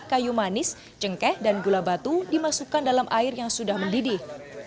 kayu manis cengkeh dan gula batu dimasukkan dalam air yang sudah mendidih